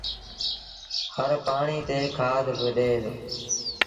هر پآڻيٚ تي کآڌ با ڏي دو